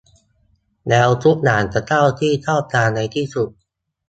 แล้วทุกอย่างจะเข้าที่เข้าทางในที่สุด